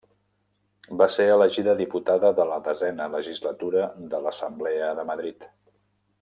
Va ser elegida diputada de la desena legislatura de l'Assemblea de Madrid.